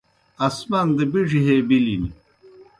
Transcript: آسمان دہ بِڙیْ ہے بِلِن۔